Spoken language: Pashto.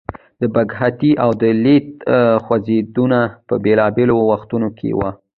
د بکهتي او دلیت خوځښتونه په بیلابیلو وختونو کې وو.